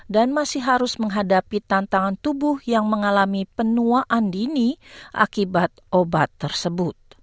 dan masih harus menghadapi tantangan tubuh yang mengalami penuaan dini akibat obat tersebut